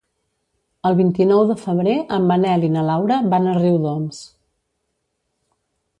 El vint-i-nou de febrer en Manel i na Laura van a Riudoms.